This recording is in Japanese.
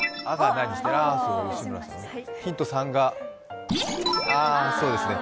ヒント３が、ああそうですね。